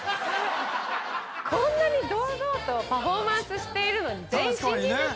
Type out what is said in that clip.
こんなに堂々とパフォーマンスしているのに全員新人ですよ。